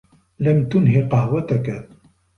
لم تنهِ قهوتك.